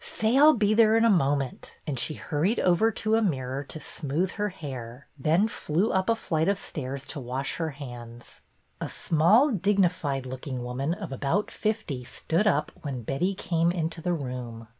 Say I 'll be there in a moment," and she hurried over to a mirror to smooth her hair, then flew up a flight of stairs to wash her hands. A small, dignified looking woman of about fifty stood up when Betty came into the room.